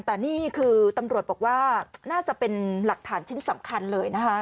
แต่นี่คือตำรวจบอกว่าน่าจะเป็นหลักฐานชิ้นสำคัญเลยนะคะ